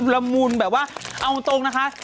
ละมุนแบบว่าเอาตรงนะคะ